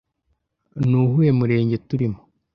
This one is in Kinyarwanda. Ni uwuhe murenge turimo